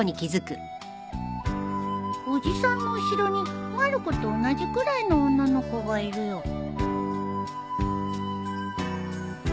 おじさんの後ろにまる子と同じくらいの女の子がいるよ